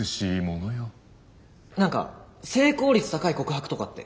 何か成功率高い告白とかって？